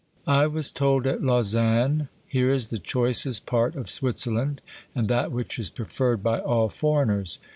I was told at Lausanne : Here is the choicest part of Switzerland, and that which is preferred by all foreigners.